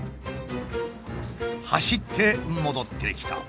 走って戻ってきた。